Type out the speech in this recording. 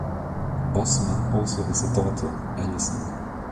Ossman also has a daughter, Alizon.